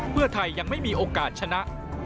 เพื่อไทยยังไม่มีโอกาสชนะ